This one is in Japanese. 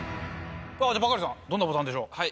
じゃあバカリさんどんなボタンでしょう？